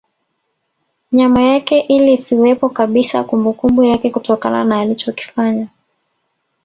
Nyama yake ili isiwepo kabisa kumbukumbu yake kutokana na alichikofanya